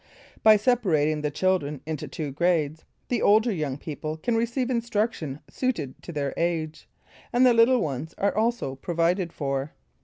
By separating the children into two grades, the older young people can receive instruction suited to their age, and the little ones are also provided for.